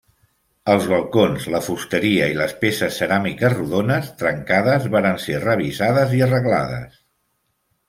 Els balcons, la fusteria i les peces ceràmiques rodones trencades varen ser revisades i arreglades.